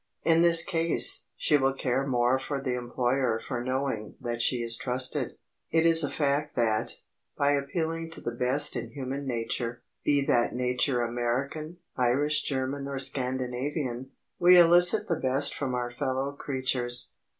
In this case, she will care more for the employer for knowing that she is trusted. It is a fact that, by appealing to the best in human nature—be that nature American, Irish, German or Scandinavian—we elicit the best from our fellow creatures.